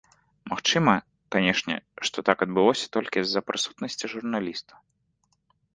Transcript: Магчыма, канешне, што так адбылося толькі з-за прысутнасці журналіста.